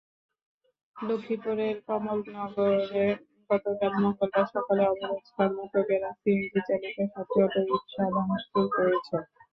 লক্ষ্মীপুরের কমলনগরে গতকাল মঙ্গলবার সকালে অবরোধ-সমর্থকেরা সিএনজিচালিত সাতটি অটোরিকশা ভাঙচুর করেছে।